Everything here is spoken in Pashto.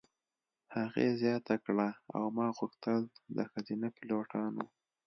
هغې زیاته کړه: "او ما غوښتل د ښځینه پیلوټانو.